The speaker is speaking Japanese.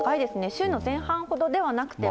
週の前半ほどではなくても。